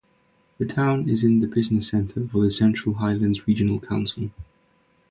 The town is the business centre for the Central Highlands Regional Council.